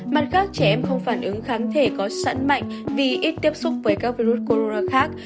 mặt khác trẻ em không phản ứng kháng thể có sẵn mạnh vì ít tiếp xúc với các virus corona khác